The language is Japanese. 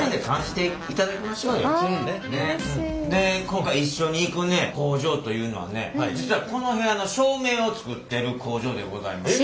今回一緒に行くね工場というのはね実はこの部屋の照明を作ってる工場でございます。